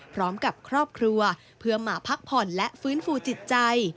พร้อมกับครอบครัวเพื่อมาพักผ่อนและฟื้นฟูจิตใจ